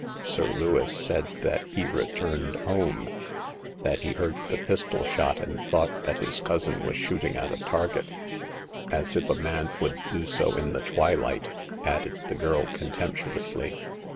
Sir Lewis said that he returned home, that he heard the pistol shot, and thought that his cousin was shooting at a target— as if a man would do so in the twilight !" added the girl, contemptuously.